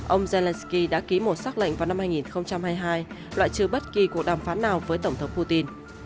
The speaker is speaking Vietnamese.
ông zelenskyy đã ký một xác lệnh vào năm hai nghìn hai mươi hai loại trừ bất kỳ cuộc đàm phán nào với tổng thống putin